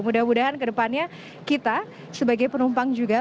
mudah mudahan kedepannya kita sebagai penumpang juga